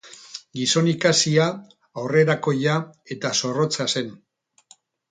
Gizon ikasia, aurrerakoia eta zorrotza zen.